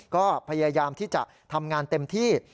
ก็พยายามที่จะทำงานเต็มที่